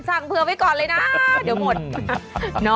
สั่งเผื่อไว้ก่อนเลยนะเดี๋ยวหมดเนอะ